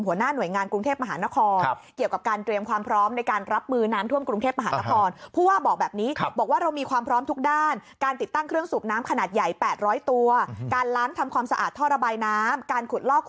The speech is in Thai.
หัวหน้าหน่วยงานกรุงเทพมหานคร